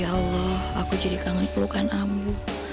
ya allah aku jadi kangen pelukan amu